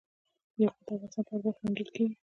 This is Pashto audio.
یاقوت د افغانستان په هره برخه کې موندل کېږي.